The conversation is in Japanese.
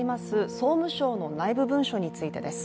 総務省の内部文書についてです。